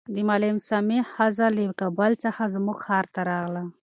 د معلم سمیع ښځه له کابل څخه زموږ ښار ته راغله.